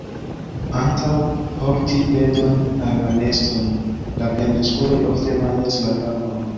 Antaŭ porti predon al la neston, la plenkreskuloj ofte manĝas la kapon.